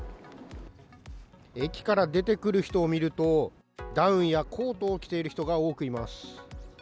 駅から出てくる人を見ると、ダウンやコートを着ている人が多くいます。